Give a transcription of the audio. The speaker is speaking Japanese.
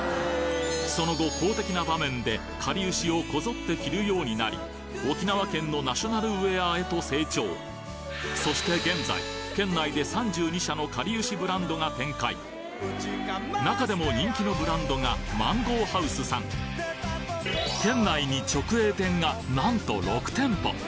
その後公的な場面でかりゆしをこぞって着るようになり沖縄県のナショナルウエアへと成長そして現在県内で３２社のかりゆしブランドが展開中でも人気のブランドがＭＡＮＧＯＨＯＵＳＥさん県内に直営店がなんと６店舗